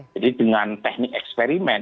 jadi dengan teknik eksperimen